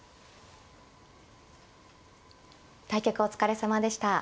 対局お疲れさまでした。